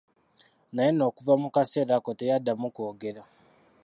Naye nno okuva mu kaseera ako teyaddamu kwogera.